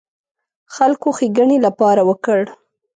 خلکو ښېګڼې لپاره وکړ.